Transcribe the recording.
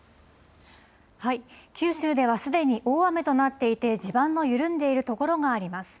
九州ではすでに大雨となっていて地盤の緩んでいるところがあります。